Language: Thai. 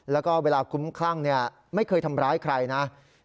แล้วก็เวลาคุ้มคลั่งไม่เคยทำร้ายใครนะ